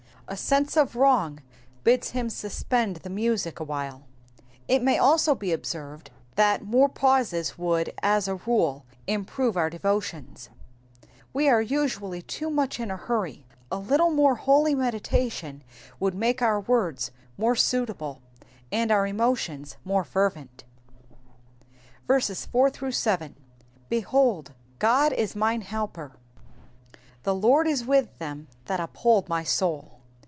A sense of wrong bids him suspend the music awhile. It may also be observed, that more pauses would, as a rule, improve our devotions : we are usually too much in a hurry : a little more holy meditation would make our words more suitable and our emotions more fervent. 4 Behold, God is mine helper : the Lord is with them that uphold my soul.